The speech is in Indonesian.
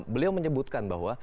beliau menyebutkan bahwa